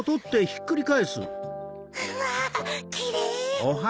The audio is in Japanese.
うわキレイ！